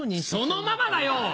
そのままだよ！